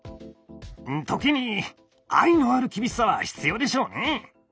時に愛のある厳しさは必要でしょうね。